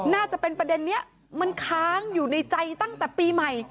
น่าจะเป็นประเด็นนี้มันค้างอยู่ในใจตั้งแต่ปีใหม่